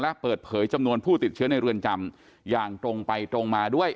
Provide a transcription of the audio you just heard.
และเปิดเผยจำนวนผู้ติดเชื้อในเรือนจำอย่างตรงไปตรงมาด้วย